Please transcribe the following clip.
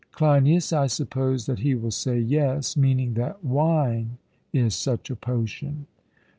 CLEINIAS: I suppose that he will say, Yes, meaning that wine is such a potion.